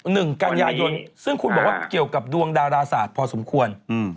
หนึ่งกันยายนซึ่งคุณบอกว่าเกี่ยวกับดวงดาราศาสตร์พอสมควรอืม